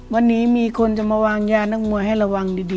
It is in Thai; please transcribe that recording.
วันนี้มีคนจะมาวางยานักมวยให้ระวังดี